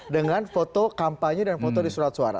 dengan foto kampanye dan foto di surat suara